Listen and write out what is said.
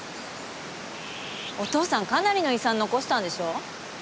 お父さんかなりの遺産残したんでしょ？